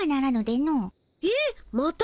えっ？また？